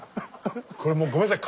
これもうごめんなさい。